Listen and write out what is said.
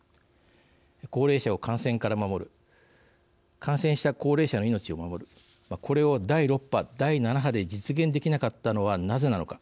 高齢者を感染から守る感染した高齢者の命を守るこれを、第６波、第７波で実現できなかったのはなぜなのか。